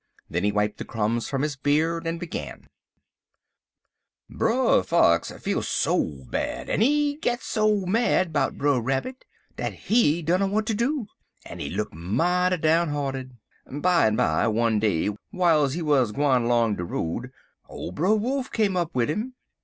Then he wiped the crumbs from his beard and began: "Brer Fox feel so bad, en he git so mad 'bout Brer Rabbit, dat he dunner w'at ter do, en he look mighty down hearted. Bimeby, one day wiles he wuz gwine 'long de road, old Brer Wolf come up wid 'im.